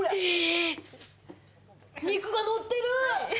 肉がのってる！